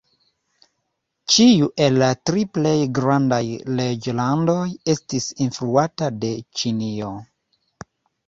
Ĉiu el la tri plej grandaj reĝlandoj estis influata de Ĉinio.